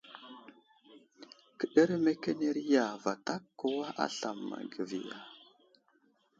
Kəɗeremekeneri ya, vatak kəwa aslam ma ge ya ?